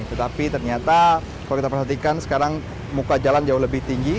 tetapi ternyata kalau kita perhatikan sekarang muka jalan jauh lebih tinggi